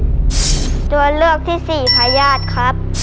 ชัวร์เลือกที่๔พญาติครับ